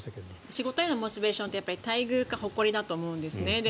仕事へのモチベーションって待遇か誇りだと思うんですね。